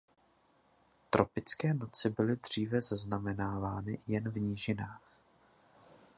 Tropické noci byly dříve zaznamenávány jen v nížinách.